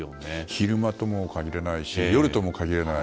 昼間とも限らないし夜とも限らない。